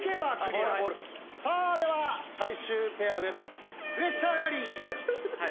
さあでは最終ペアです。